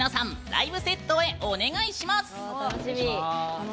ライブセットへお願いします！